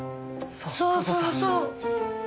そうそうそう。